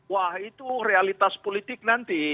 wah itu realitas politik nanti